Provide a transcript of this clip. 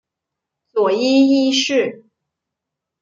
佐伊一世。